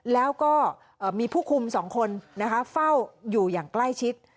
แล้วก็มีผู้คุม๒คนเฝ้าอยู่อย่างใกล้ชิด